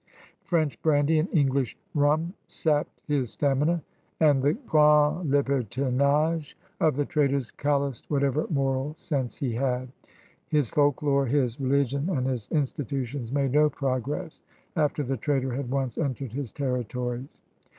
French brandy and English rum sapped his stamina, and the grand libetfinage of the traders calloused whatever moral sense he had. His folklore, his religion, and his institutions made no progress after the trader had once entered his territories.